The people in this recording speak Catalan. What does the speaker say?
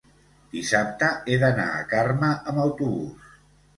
dissabte he d'anar a Carme amb autobús.